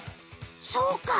そうか！